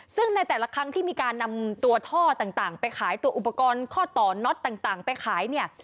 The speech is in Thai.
ซึ่งในแต่ละครั้งที่มีการนำตัวท่อต่างไปขายตัวอุปกรณ์ข้อต่อน็อตต่างไปขายเนี่ย